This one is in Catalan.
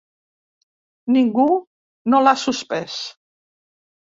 Ningú no l’ha suspès.